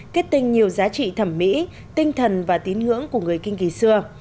kết tinh nhiều giá trị thẩm mỹ tinh thần và tín ngưỡng của người kinh kỳ xưa